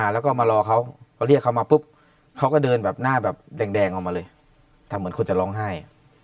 เลยเขาก็เดินแบบแดงออกมาเลยทำเหมือนคนจะร่องให้